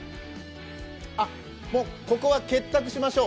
ここは結託しましょう。